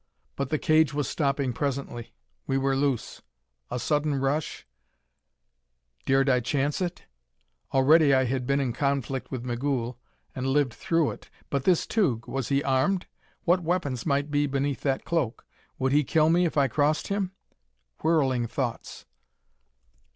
But the cage was stopping presently. We were loose: a sudden rush Dared I chance it? Already I had been in conflict with Migul, and lived through it. But this Tugh was he armed? What weapons might be beneath that cloak? Would he kill me if I crossed him?... Whirling thoughts.